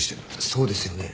そうですよね。